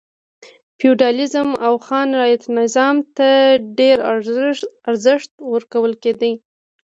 فیوډالېزم او خان رعیت نظام ته ډېر ارزښت ورکول کېده.